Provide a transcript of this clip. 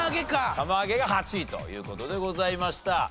釜揚げが８位という事でございました。